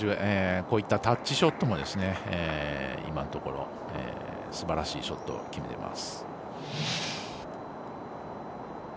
こういったタッチショットも今のところすばらしいショットを決めています。